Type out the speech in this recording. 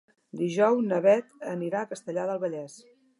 Dijous na Beth anirà a Castellar del Vallès.